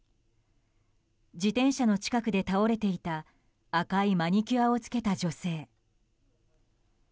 自転車の近くで倒れていた赤いマニキュアをつけた女性。